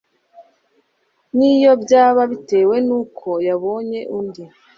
n'iyo byaba bitewe n'uko yabonye undi